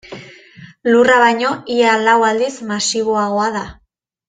Lurra baino ia lau aldiz masiboagoa da.